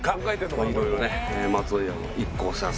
いろいろね松尾。